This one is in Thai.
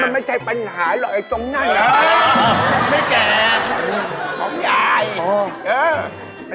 อ๋ออันนี้อยากกินนอ่อไม้